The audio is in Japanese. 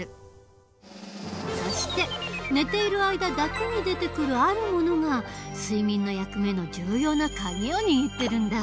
そして寝ている間だけに出てくるあるものが睡眠の役目の重要な鍵を握ってるんだ。